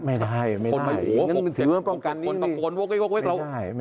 ไม่ได้ไม่ได้อย่างนั้นถือว่าป้องกันนี่ไม่ได้